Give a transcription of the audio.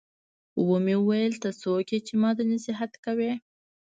ومې ويل ته څوک يې چې ما ته نصيحت کوې.